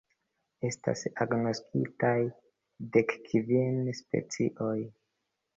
Estas agnoskitaj dekkvin specioj.